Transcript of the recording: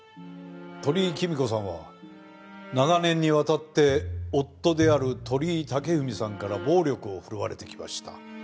鳥居貴美子さんは長年にわたって夫である鳥居武文さんから暴力を振るわれてきました。